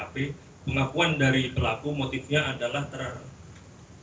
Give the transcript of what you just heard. jadi pengakuan dari pelaku motifnya adalah terang